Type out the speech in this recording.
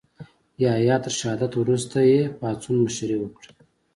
یحیی تر شهادت وروسته یې پاڅون مشري وکړه.